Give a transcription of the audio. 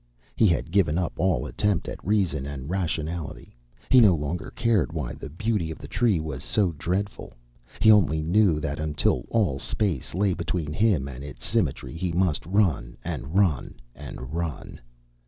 He had given up all attempt at reason and rationality; he no longer cared why the beauty of the Tree was so dreadful. He only knew that until all space lay between him and its symmetry he must run and run and run.